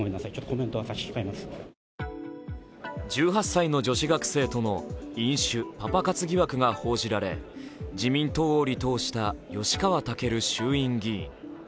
１８歳の女子学生との飲酒・パパ活疑惑が報じられ、自民党を離党した吉川赳衆院議員。